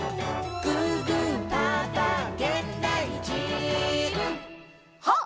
「ぐーぐーぱーぱーげんだいじーん」ハッ！